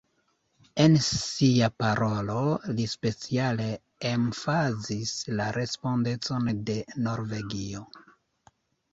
En sia parolo, li speciale emfazis la respondecon de Norvegio.